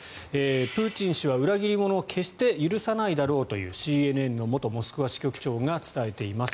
プーチンは裏切り者を決して許さないだろうというＣＮＮの元モスクワ支局長が伝えています。